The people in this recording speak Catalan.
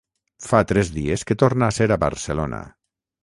Fa tres dies que torna a ser a Barcelona.